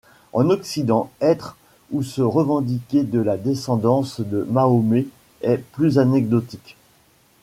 En Occident, être ou se revendiquer de la descendance de Mahomet est plus anecdotique.